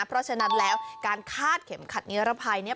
เพราะฉะนั้นแล้วการคาดเข็มขัดนิรภัยเนี่ย